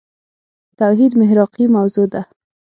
توحيد محراقي موضوع ده.